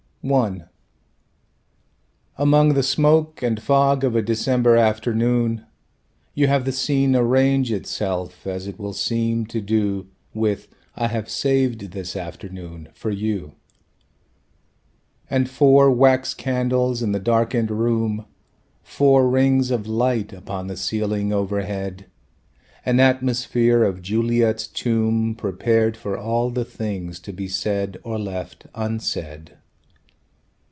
I Among the smoke and fog of a December afternoon You have the scene arrange itself as it will seem to do With "I have saved this afternoon for you"; And four wax candles in the darkened room, Four rings of light upon the ceiling overhead, An atmosphere of Juliet's tomb Prepared for all the things to be said, or left unsaid.